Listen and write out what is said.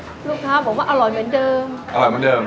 ลูกค้าบอกว่าอร่อยเหมือนเดิม